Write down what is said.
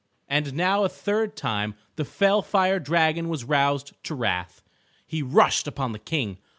And now a third time the fell fire dragon was roused to wrath. He rushed upon the King.